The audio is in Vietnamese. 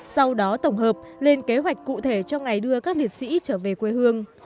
sau đó tổng hợp lên kế hoạch cụ thể cho ngày đưa các liệt sĩ trở về quê hương